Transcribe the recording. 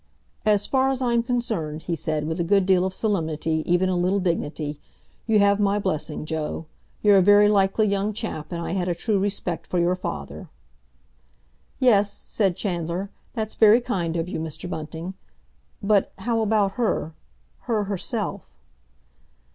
"As far as I'm concerned," he said, with a good deal of solemnity, even a little dignity, "you have my blessing, Joe. You're a very likely young chap, and I had a true respect for your father." "Yes," said Chandler, "that's very kind of you, Mr. Bunting. But how about her—her herself?"